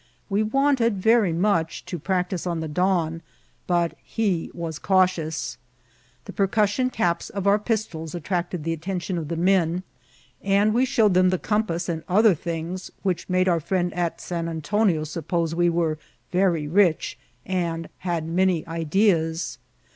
We wanted very much to practice en the don, but he was cautious. The percussion capi^ of our pistols attracted the attention of the men ; and we flowed them the compass and other things, which made our firiend at San Antonio suppose we were ^ very rich," and " had many ideas."